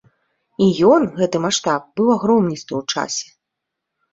І ён, гэты маштаб, быў агромністы ў часе.